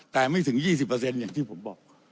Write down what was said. แต่ไม่ถึง๒๐อย่างที่ผมบอก